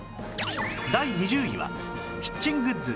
第２０位はキッチングッズ